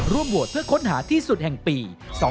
ร่วมโหวตเพื่อค้นหาที่สุดแห่งปี๒๕๖